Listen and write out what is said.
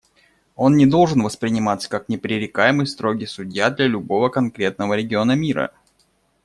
Он не должен восприниматься как непререкаемый строгий судья для любого конкретного региона мира.